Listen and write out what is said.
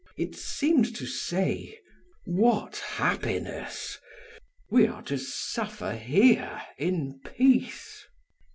It seemed to say: "What happiness! We are to suffer here in peace!"